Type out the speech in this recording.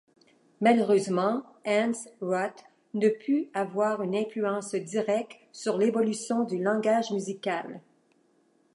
Malheureusement, Hans Rott ne put avoir une influence directe sur l'évolution du langage musical.